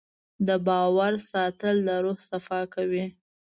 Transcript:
د باور ساتل د روح صفا کوي.